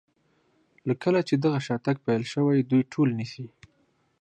له کله چې دغه شاتګ پیل شوی دوی ټول نیسي.